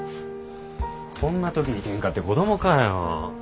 こんな時にケンカって子供かよ。